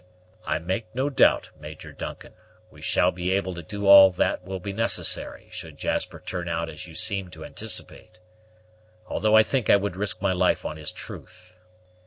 "I make no doubt, Major Duncan, we shall be able to do all that will be necessary should Jasper turn out as you seem to anticipate; though I think I would risk my life on his truth."